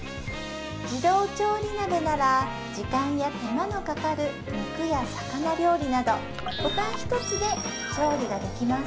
自動調理鍋なら時間や手間のかかる肉や魚料理などボタン１つで調理ができます